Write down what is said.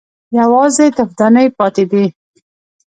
_يوازې تفدانۍ پاتې دي.